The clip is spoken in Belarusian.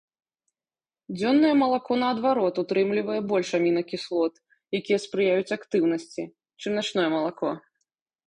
Дзённае малако, наадварот, утрымлівае больш амінакіслот, якія спрыяюць актыўнасці, чым начное малако.